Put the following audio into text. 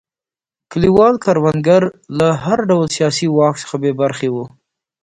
کلیوال کروندګر له هر ډول سیاسي واک څخه بې برخې وو.